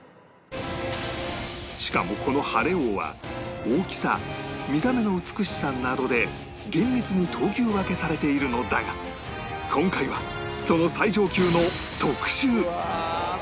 しかもこの晴王は大きさ見た目の美しさなどで厳密に等級分けされているのだが今回はその最上級の特秀